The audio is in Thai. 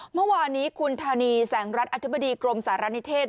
เมื่อวานนี้คุณธานีแสงรัฐอธิบดีกรมสารณิเทศ